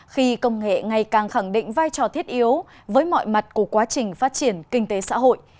khi công nghệ ngày càng khẳng định vai trò thiết yếu với mọi mặt của quá trình phát triển kinh tế xã hội